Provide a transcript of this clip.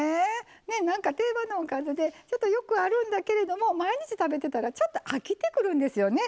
なんか定番のおかずでちょっとよくあるんだけれども毎日食べてたらちょっと飽きてくるんですよね。